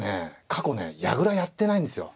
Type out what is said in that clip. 過去ね矢倉やってないんですよ。